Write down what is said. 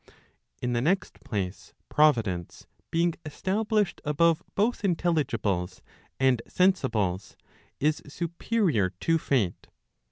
In the next place, Providence being established above both intelligibles and sensibles, is superior to Fate.